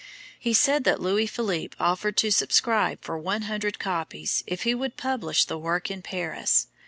"He said that Louis Philippe offered to subscribe for 100 copies if he would publish the work in Paris.